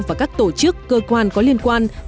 và các tổ chức cơ quan có liên quan